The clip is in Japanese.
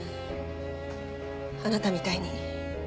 あなたみたいに。